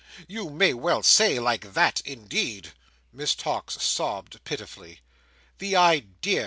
You may well say like that, indeed!" Miss Tox sobbed pitifully. "The idea!"